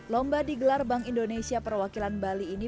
lomba di gelar bank indonesia perwakilan bali ini